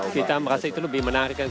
kita merasa itu lebih menarik